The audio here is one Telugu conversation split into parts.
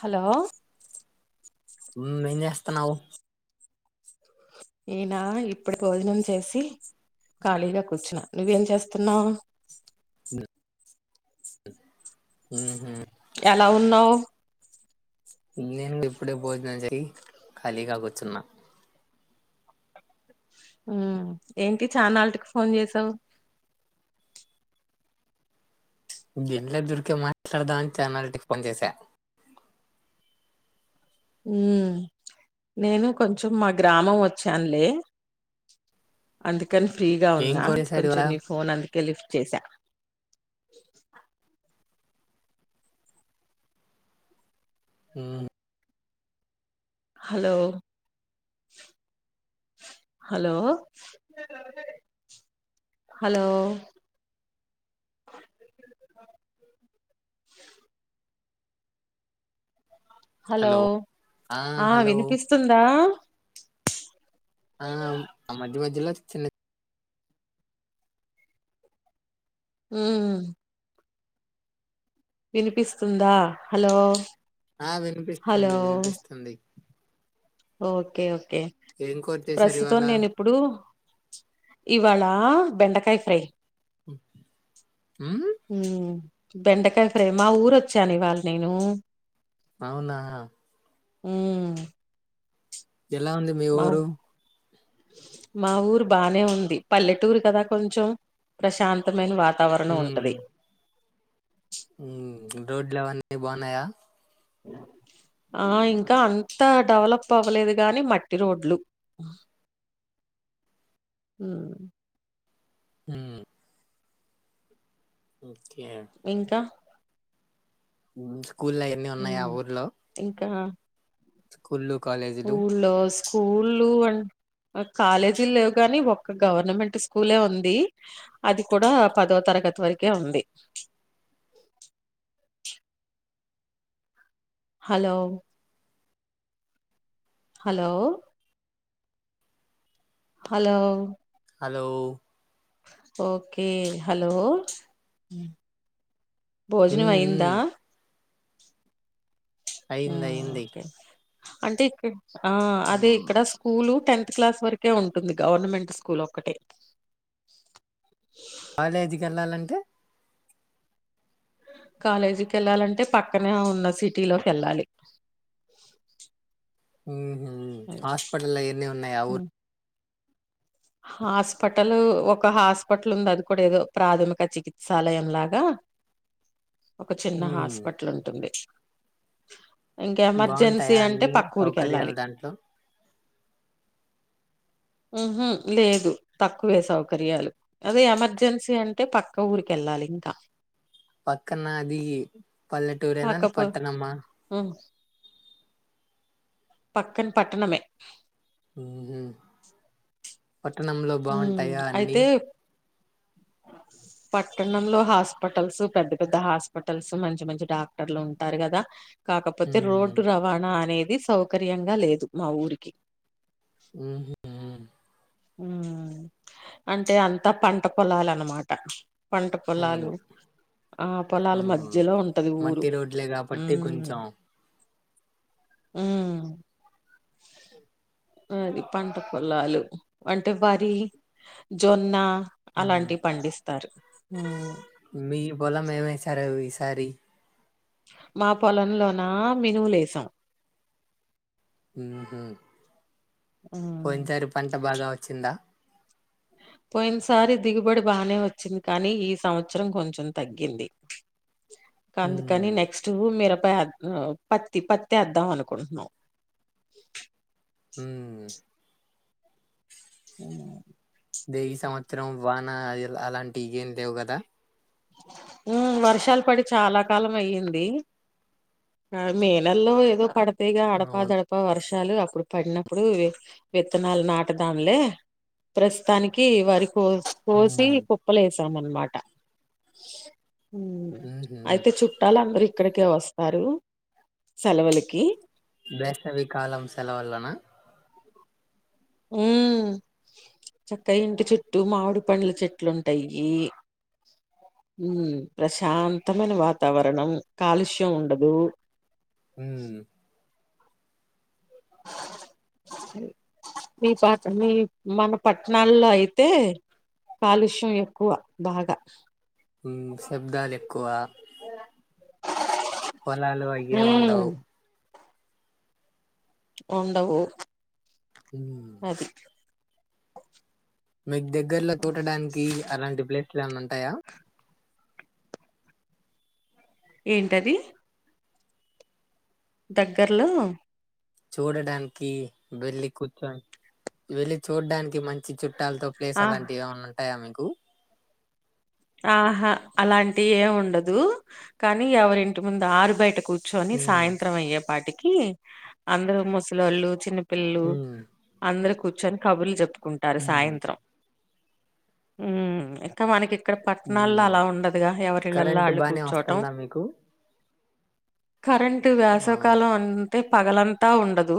హలో మే చేస్తానువు ఈయనా ఇప్పుడు భోజనం చేసి ఖాళీగా కూర్చున్నా నువ్వేం చేస్తున్నావు ఆ ఎలా ఉన్నావు ఇం ఇప్పుడ పోోజనం చేయి కలిగా కొచున్నా ఏంటి చాలా ఫోన్ చేసావు దొరికే మాట్లాడదాం అని చాలా నాటికి ఫోన్ చేసా ఉ నేను కొంచెం మా గ్రామం వచ్చానులే అందుకని ఫ్రీగా ఏం ఉన్నా కూర చేశారు కొంచెం ఇవాళ నీ ఫోన్ అందు లిఫ్ట్ చేసా ఆ హలో హలో హలో హలో ఆ వినిపిస్తుందా ఆ ఆ మధ్య మధ్యలో చిన్న హ వినిపిస్తుందా హలో ఆ హలో వినిపిస్తుంది వినిపిస్తుంది ఓకే ఓకే ఏం కూర చేశారు ప్రస్తుతం ఇవాళ నేను ఇప్పుడు ఇవాళ బెండకాయ ఫ్రై ఉమ్ ఉమ్ బెండకాయ ఫ్రేమా ఊరొచ్చాను ఇవాళ నేను అవునా మ్మ్ హ్హ్ ఎలా ఉంది మీ ఊరు మా ఊరు బానే ఉంది పల్లెటూరు కదా కొంచెం ప్రశాంతమైన వార్త్ వాతావరణం ఉంటది మ్ ప్చ్ రోడ్లు అవన్నీ బాగున్నాయా అ [unintelligible] ఆ ఇంకా అంతా డెవలప్ అవ్వలేదు గాని మట్టి రోడ్లు మ్మ్ హ్ మ్మ్ హ్హ్ ఓ [unintelligible] ఇంకా స్కూల్ ఎన్ని ఉన్నాయి ఆ ఉమ్ ఊర్లో ఇంకా స్కూల్ ఊళ్ళో స్కూళ్లు అంట్ కాలేజీలు లేవుగాని ఒక్క గవర్నమెంట్ స్కూలే ఉంది అది కూడా పదో తరగత్ పదో తరగతి వరకే ఉంది hello hello hello hello okay hello హ్మ్. భోజనం అయిందా హ్మ్. అయింది. మ్మ్ అయింది. ఓకే అంటే ఇక్క అ అదే హ్మ్. ఇక్కడ స్కూల్ టెన్త్ క్లాస్ వరకే ఉంటుంది గవర్నమెంట్ స్కూల్ ఒకటే కాలేజికెళ్ళాలంటే కాలేజీకి ఎళ్ళాలంటే పక్కనే ఉన్న సిటీ లోకెళ్ళాలి [inaudible] ఊహు హాస్పిటల్ ఇయన్ని ఉన్నాయ ఆ ఊరు ఉమ్. హాస్పిటల్ ఒక హాస్పిటల్ ఉంది అది కూడా ఏదో ప్రాథమిక చికిత్సాలయం లాగా ఒక చిన్న హ్మ్. హాస్పిటల్ ఉంటుంది ఇంకెమర్జెన్సీ బావుంటాయా అంటే అన్ని పక్క సౌకర్యాలు ఊరికేళ్ళాలి దాంట్లో? ఊహు లేదు తక్కువే సౌకర్యాలు అదే ఎమర్జెన్సీ అంటే పక్క ఊరికేళ్ళాలి ఇంకా పక్కన్న అది పల్లెటూరెనా పట్టణమా పక్కన్ పట్టణమే ఉహూ ఉ అయితే పట్టణంలో హాస్పిటల్స్ పెద్ద పెద్ద హాస్పిటల్స్ మంచి మంచి డాక్టర్లు ఉంటారు గదా కాకపోతే హ్మ్. రోడ్డు రవాణా అనేది సౌకర్యంగా లేదు మా ఊరికి ఊహు ఉ అంటే అంతా పంట పొలాలనమాట పంట పొలాలు అవును. ఆ పొలాల హ్మ్. మధ్యలో ఉంటది ఊరు మట్టి రోడ్లే ఉ గాబట్టి కొంచెం మ్మ్ అది పంట పొలాలు అంటే వరి, జొన్న హ్మ్. అలాంటివి పండిస్తారు మీ పొలం ఏమేసారు ఈసారి మా పొలంలోన మినుములేసాం మ్మ్ హ్హ్ వేసాం పోయినసారి పంట బాగా వచ్చిందా పోయినసారి దిగుబడి బానే వచ్చింది కానీ ఈ సంవత్సరం కొంచెం తగ్గింది ఇంక అందుకని హ్మ్. నెక్స్ట్ మీరు పత్తి పత్తి యేద్దాం అనుకుంటున్నాం ఊ ఆ దే ఈ సంవత్సరం వాన అలాంటి ఏం లేవు కదా ఉ వర్షాలు పడి చాలా కాలం అయ్యింది ఆ మేనెల్లో ఏదో పడతయిగా అడప అవును దడప వర్ష చాలు అప్పుడు పడినప్పుడు విత్తనాలు నాటదాంలే ప్రస్తుతానికి వరి కో కోసి ఉమ్, కుప్పలే వసామన్నమాట ఉహు. అయితే చుట్టాలందరు ఇక్కడికే వస్తారు సెలవులకి వేశవికాలం సెలవల్లన ఉమ్ చక్క ఇంటి చెుట్టు మామిడి పండ్ల చెట్లుంటాయి ఉ ప్రశాంతమైన వాతావరణం కాలుష్యం ఉండదు ఉమ్ స మీ ప మీ మన పట్టణాల్లో అయితే కాలుష్యం ఎక్కువ బాగా ఉ శబ్దాలెక్కువ పొలాలు అయ్యే ఉమ్, ఉండవు ఉండవు ఉ అది మీకు దగ్గర్లో తూటడానికి అలాంటి ప్లాస్లు ఏన్న ఉంటాయా ఏంటది దగ్గర్లో చూడడానికి వెళ్లి కూర్చో వెళ్లిి చూడడానికి మంచి చుట్టూ ట్టాలతో ప్లేస్ ఆహ్ అలాంటివి ఏనా ఉంటాయా మీకు ఆహా అలాంటి ఏం ఉండదు కానీ ఎవరింటి ముందు ఆరు బయట కూర్చ కూర్చొని ఉమ్, సాయంత్రం అయ్యేపాటికి అందరుూ ముసలళ్ళు చిన్న పిల్లు ఉమ్, అందరు కూర్చొని కబుర్లు చెప్పుకుంటారు ఉమ్, సాయంత్రం హ్మ్మ్ క్క మనకి ఇక్కడ పట్టణాల్లో ఉమ్. అలా ఉండదుగా ఎవరిళ్లల్లో కరెంట్ వాళ్ళు బానే కూర్చోటం వస్తుందా మీకు కరెంటు ఆ, వేసవకాలం అంటే పగలంతా ఉండదు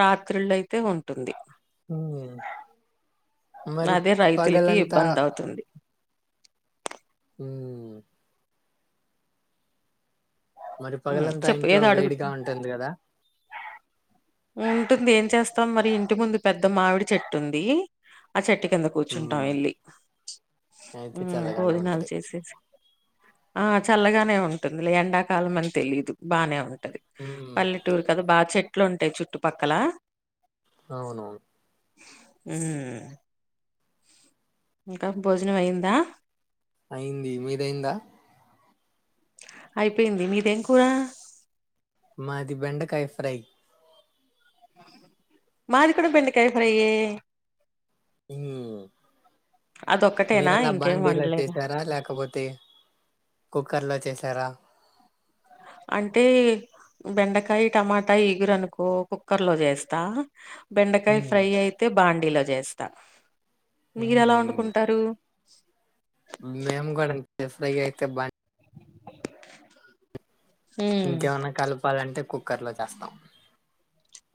రాత్రిళ్ళయితే ఉంటుంది మరి అదే రైతులకి పగలంతా ఇబ్బందవుతుంది. ఆ మరి హ్మ్. పగలంతా చెప్పు ఇంట్లో ఏదో అడుగు వేడిగా ఉంటుంది కదా ఉంటుంది ఏం చేస్తాం మరి ఇంటి ముందు పెద్ద మామిడి చెట్టు ఉంది ఆ చెట్టు కింద కూర్చుంటాం హ్మ్. వెళ్లి అయితే చల్లగానే భోజనాలు ఉంటది. చేసేసి ఆ చల్లగానే ఉంటుంది ఎండాకాలం అని తెలిదు బాగానే ఉంటుంది ది హ్మ్. పల్లెటూరు కదా బాగా చెట్లు ఉంటాయి చుట్టుపక్కల అవును హ్మ్మ్ ఇంకా భోజనం అయ్యిందా అయింది మీదయిందా అయిపోయింది మీది ఏమి కూరా మాది బెండకాయ ఫ్రై మాది కూడ బెండకాయ ఫ్రైయే ఊ అదొక్కటేనా మీరెలా ఇంకేం బాండీలో వండలేదా చేసారా లేకపోతే కుక్కర్ లో చేసారా అంటే బెండకాయ టమాటా ఈగురనుకో కుక్కర్ లో చేస్తా బెండకాయ హ్మ్. ఫ్రై అయితే బాండీలో చేస్తా మీరు ఎలా హుహు. వండుకుంటారూ మేము గూడా అంతే ఫ్రై అయితే బా ఉమ్ ఇంకేమన్నా కలపాలంటే కుక్కర్ లో చేస్తాం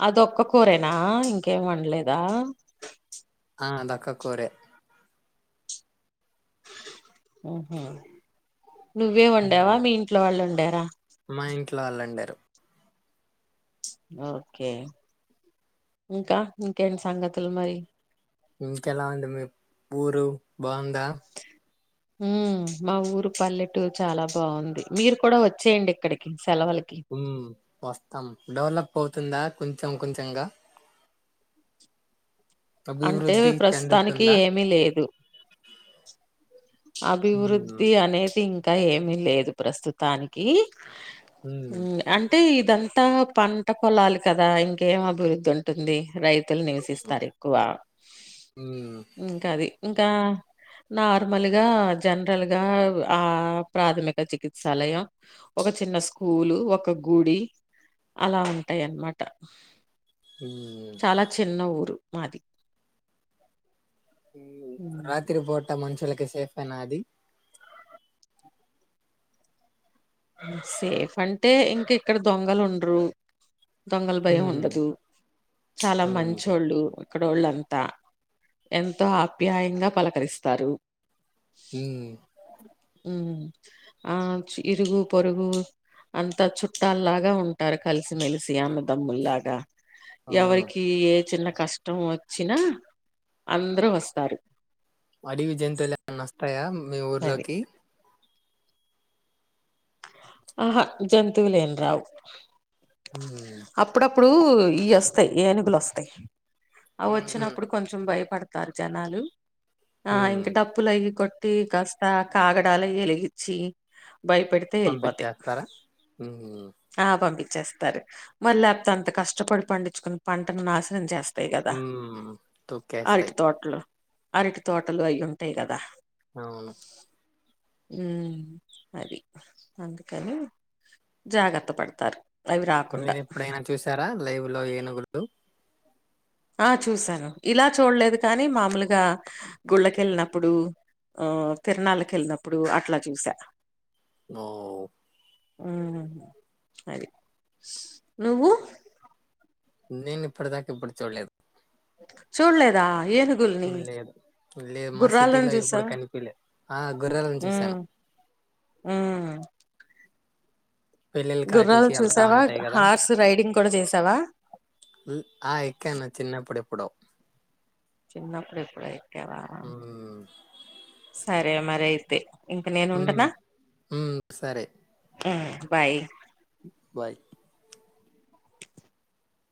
అదొక్క కూరేనా ఇంకేం వండలేదా ఆ అదక్క కూరే ఆహ నువ్వే వండావా హ్మ్. మీ ఇంట్లో వాళ్ళు వండార మా ఇంట్లో వాళ్ళండారు ఓకే ఇంకా ఇంకేంటి సంగతులు మరి ఇంకెలా ఉంది మీ ఊరు బావుందా హూ మా ఊరు పల్లెటూరు చాలా బాగుంది మీరు కూడా వచ్చేయండి ఇక్కడికి సెలవులకి ఉమ్ వస్తాం డెవలప్ అవుతుందా కొంచెం కొంచెంగా అంటే అభివృద్ధి ప్రస్తుతానికి చెందుతుందా ఏమీ లేదు ఉమ్ అభివృద్ధి అనేది ఇంకా ఏమీ లేదు ప్రస్తుతానికి ఉమ్ అంటే ఇదం తా పంట పొలాలు కదా ఇంకేం అభివృద్ధి ఉంటుంది రై తులు నివసిస్తారు ఎక్కువ ఉమ్ ఇంకది ఇంకా నా ర్మల్ గా జనరల్ గా ఆ ప్రాథమిక చికిత్సాలయం ఒక చిన్న స్కూ పూలు ఒక గుడి అలా ఉంటాయిన్నమాట ఉమ్ చాలా చిన్న ఊరు మాది ఉ హ్మ్. రాత్రి పూట మనుషులకి సేఫేనా అది సేఫ్ అంటే ఇంక ఇక్కడ దొంగలు ఉండరు దొంగల భయం ఉమ్ ఉండదు చాలా ఉమ్ మంచోళ్ళు ఇక్కడోళ్ళంతా ఎంతో ఆప్యాయంగా పలకరిస్తారు ఊ ఉ ఆ చ్ ఇరుగు పొరుగు అంతా చుట్టాల్లాగా ఉంటారు కలిసిమెలిసి అన్నదమ్ముల్లాగా అవును ఎవరికీ ఏ చిన్న కష్టం వచ్చినా అందరూ వస్తారు అడివి జయతువులేమన్న వస్తాయా మీ అది ఊర్లోకి ఆహా జంతువులేం రావు ఉ ఇప్పుడూ ఇయ్యేస్తయి ఏనుగులొస్తయి అవి ఉహు ఉమ్ వచ్చినప్పుడు కొంచెం భయపడ్ తారు జనాలు ఆ ఉమ్. ఇంకా డప్పులు అయ్యి కొట్ టీ కాస్త కాగడాల ఎలిగీచ్చి భయప తే ఎళ్ళిపోయి పంపించేస్తారా ఉమ్ ఆ పంపి చేస్తారు మళ్ళ లేపోతే అంతంత కష్టపడి పండించుకుని పంటను నాశనం చేస్ తాయి కదా ఉమ్ అరటి తొక్కేస్తాయి తోటలు అరటి తోటలు అయు ఉంటాయి కదా అవును ఉ అది అందుకని జాగ్రత్త పడతారు అవి రాకుండా మీరుప్పుడైనా చూసారా లైవ్ లో ఏనుగులు ఆ చూసాను ఇలా చూడలేదు కానీ మామూలుగా గుళ్ళకెళ్ళినప్పుడు ఉ తిరణాలకు ఎళ్ళినప్పుడు అట్లా చూసా ఓ ఉ అరి నువ్వు. నేను ఇప్పటిదాకా ఇప్పుడు చూడలేదు. చూడలేదా. ఏనుగుల్ని లేదు లేదు మా గుర్రాలని సిటీలో ఎప్పుడు చూసావా కనిపిలే ఆ గుర్రాలను ఉ చూసాను మ్. పెళ్ళిళ్ళకి గుర్రాలు ఆటిలకి వెళ్తా చూసావా ఉంటాయి హార్స్ రైడింగ్ కూడా చేసావా. మ్ ఆ ఎక్కాను చిన్నప్పుడు ఎప్పుడో. చిన్నప్పుడు ఎప్పుడో ఎక్కవా ఉమ్ సరే మరి అయితే. ఇంక నేను ఉమ్ ఉండనా ఉమ్ సరే ఉమ్ బాయ్. బాయ్.